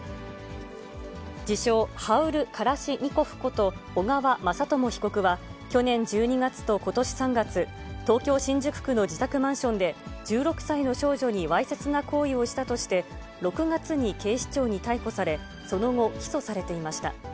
自称、ハウル・カラシニコフこと、小川雅朝被告は、去年１２月とことし３月、東京・新宿区の自宅マンションで、１６歳の少女にわいせつな行為をしたとして、６月に警視庁に逮捕され、その後、起訴されていました。